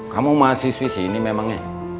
kamu mahasiswi sih ini memangnya